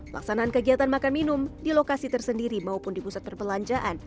laksanaan kegiatan makan minum di lokasi tersendiri maupun di pusat perbelanjaan